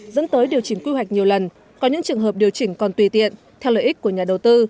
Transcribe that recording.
dẫn tới điều chỉnh quy hoạch nhiều lần có những trường hợp điều chỉnh còn tùy tiện theo lợi ích của nhà đầu tư